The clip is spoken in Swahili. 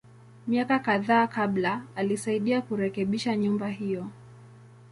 Miaka kadhaa kabla, alisaidia kurekebisha nyumba hiyo.